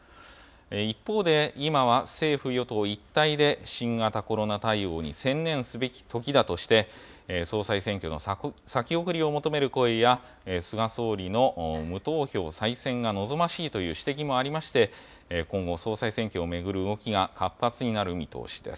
一方で、今は政府・与党一体で新型コロナ対応に専念すべきときだとして、総裁選挙の先送りを求める声や、菅総理の無投票再選が望ましいという指摘もありまして、今後、総裁選挙を巡る動きが活発になる見通しです。